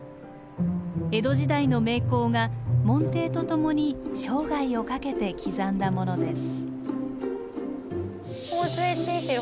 江戸時代の名工が門弟とともに生涯をかけて刻んだものです。